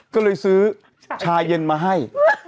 ก็เลยซื้อชาเย็นมาให้